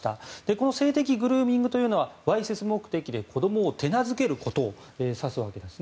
この性的グルーミングというのはわいせつ目的で子どもを手なずけることを指すわけです。